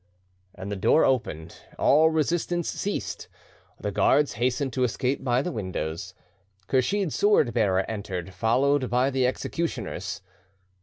The door opened, all resistance ceased, the guards hastened to escape by the windows. Kursheed's sword bearer entered, followed by the executioners.